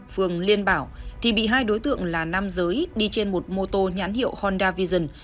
phường liên bảo thì bị hai đối tượng là nam giới đi trên một mô tô nhãn hiệu honda vision